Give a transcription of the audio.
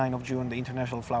hari bunga internasional